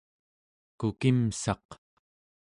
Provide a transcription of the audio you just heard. kukimssaq